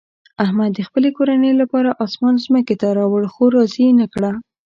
احمد د خپلې کورنۍ لپاره اسمان ځمکې ته راوړ، خو راضي یې نه کړه.